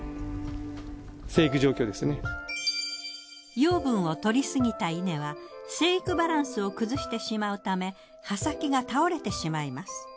養分を摂りすぎた稲は生育バランスを崩してしまうため葉先が倒れてしまいます。